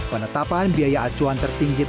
penetapan biaya acuan tertinggi